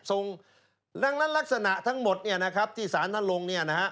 รักษณะทั้งหมดที่สารท่านลง